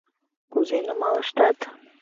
Кузе нумалыштат?